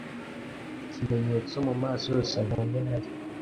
Ikimenyetso mumaso yose mpuye nayo